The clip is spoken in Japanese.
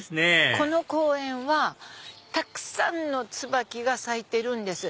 この公園はたくさんのツバキが咲いてるんです。